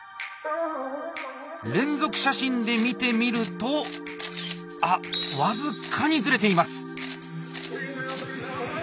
連続写真で見てみるとあっ僅かにズレています。